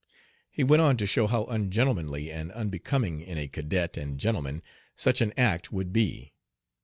He went on to show how ungentlemanly and unbecoming in a "cadet and gentleman" such an act would be.